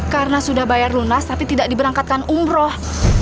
karena sudah bayar lunas tapi tidak diberangkatkan umroh